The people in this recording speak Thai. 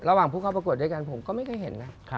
ผู้เข้าประกวดด้วยกันผมก็ไม่เคยเห็นนะ